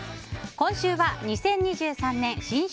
今週は２０２３年新春